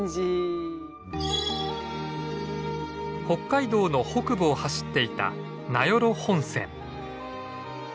北海道の北部を走っていた名寄本線。